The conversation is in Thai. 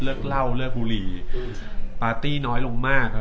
เลิกเหล้าเลิกบุหรี่ปาร์ตี้น้อยลงมาก